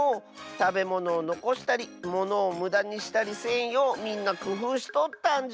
たべものをのこしたりものをむだにしたりせんようみんなくふうしとったんじゃ。